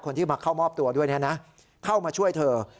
ที่มาเข้ามอบตัวด้วยนะเข้ามาช่วยเธอ